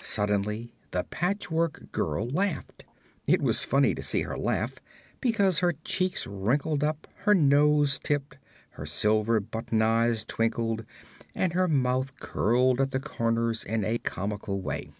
Suddenly the Patchwork Girl laughed. It was funny to see her laugh, because her cheeks wrinkled up, her nose tipped, her silver button eyes twinkled and her mouth curled at the corners in a comical way.